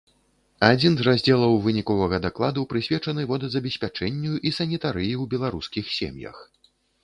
Адзін з раздзелаў выніковага дакладу прысвечаны водазабеспячэнню і санітарыі ў беларускіх сем'ях.